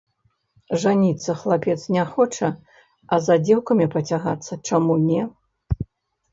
Жаніцца хлапец не хоча, а за дзеўкамі пацягацца чаму не!